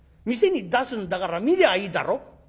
「店に出すんだから見りゃいいだろ」。